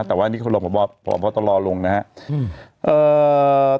แต่ว่าพอตลอดลงนะครับ